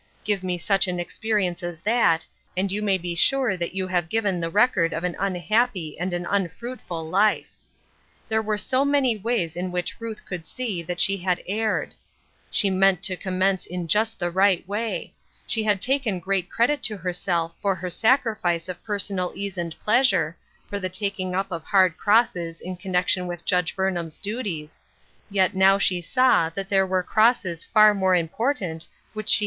Give me such an experience as that, and you may be sure that you have given the record of an unhappy and an unfruitful life. There were so many ways in which Ruth could see that she had erred. She meant to commence in just the right way ; she had taken great credit to herself for her sacrifice of personal ease and pleasure, for the taking up of hard crosses in connection with Judge Burnham's duties ; yet now she saw tha'^ there were crosses far more important which 'ihr.